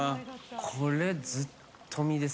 これ、ずっとみです。